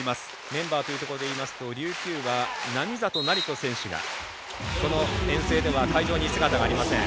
メンバーというところで言いますと琉球は並里成選手がこの遠征では会場に姿がありません。